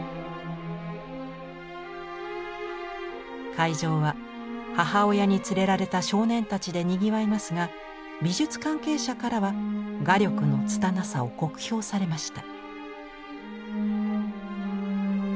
会場は母親に連れられた少年たちでにぎわいますが美術関係者からは画力のつたなさを酷評されました。